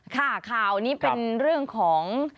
ข่าวนี้เป็นเรื่องของ